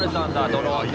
ドローンで。